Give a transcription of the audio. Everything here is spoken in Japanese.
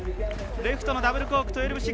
レフトのダブルコーク１２６０。